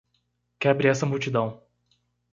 Quebre essa multidão!